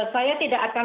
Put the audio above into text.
saya tidak akan